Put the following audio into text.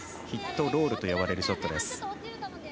ヒットロールと呼ばれるショットです。